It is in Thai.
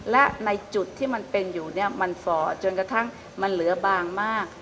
และในจุดที่มันเป็นอยู่เนี่ยมันฝ่อจนกระทั่งมันเหลือบางมาก